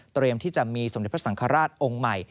ที่จะมีสมเด็จพระสังฆราชองค์ใหม่